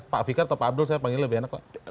pak fikar atau pak abdul saya panggil lebih enak kok